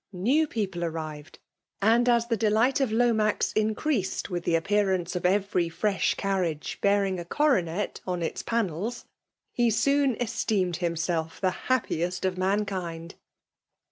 New people arrived ; and, as the delight of Lomax increased with the appearance of every fresh carriage bearing a coronet on its panels, he soon esteemed himself the happiest of man kind.